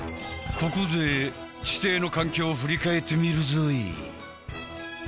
ここで地底の環境を振り返ってみるぞい。